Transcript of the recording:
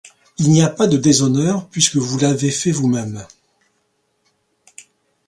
Il n’y a pas de déshonneur, puisque vous l’avez fait vous-mêmes...